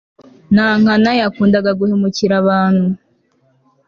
nankana yakundaga guhemukira abantu